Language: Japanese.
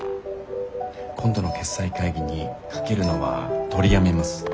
今度の決裁会議にかけるのは取りやめます。